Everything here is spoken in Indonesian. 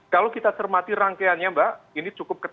kalau kita cermati rangkaiannya mbak ini cukup ketat